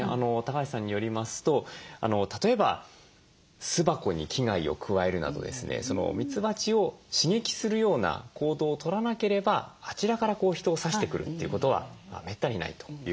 橋さんによりますと例えば巣箱に危害を加えるなどですねミツバチを刺激するような行動をとらなければあちらから人を刺してくるということはめったにないということなんです。